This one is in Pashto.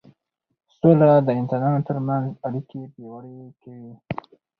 سوله د انسانانو ترمنځ اړیکې پیاوړې کوي